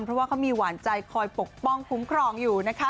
เพราะว่าเขามีหวานใจคอยปกป้องคุ้มครองอยู่นะคะ